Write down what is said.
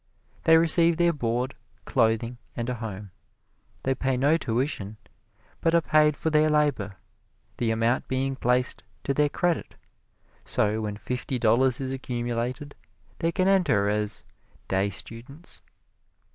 They receive their board, clothing and a home they pay no tuition, but are paid for their labor, the amount being placed to their credit, so when fifty dollars is accumulated they can enter as "day students."